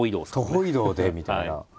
徒歩移動でみたいな。